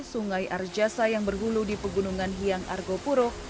sungai arjasa yang berhulu di pegunungan hiang argo puruh